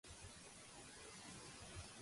Encomanar-se a la misericòrdia de Déu.